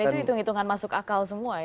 dan itu hitung hitungan masuk akal semua ya